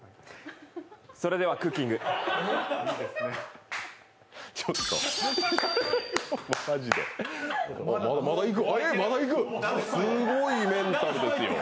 それではクッキングすごいメンタルですよ。